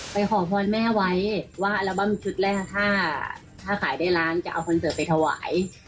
ขอพรแม่ไว้ว่าอัลบั้มชุดแรกถ้าขายได้ล้านจะเอาคอนเสิร์ตไปถวาย